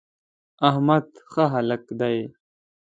احمد ښه هلک دی.